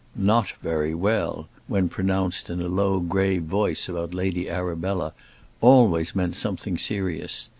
"Not very well," when pronounced in a low, grave voice about Lady Arabella, always meant something serious.